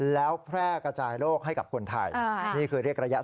แล้วแพร่กระจายโลกให้กับคนไทยนี่คือเรียกระยะ